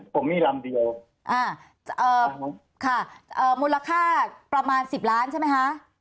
ผมมีลำเดียวอ่าเอ่อค่ะเอ่อมูลค่าประมาณสิบล้านใช่ไหมคะ